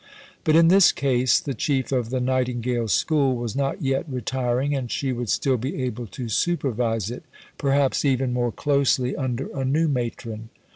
But in this case the Chief of the Nightingale School was not yet retiring, and she would still be able to supervise it perhaps even more closely under a new Matron.